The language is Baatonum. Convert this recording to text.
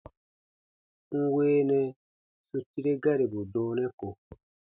N weenɛ su tire garibu dɔɔnɛ ko.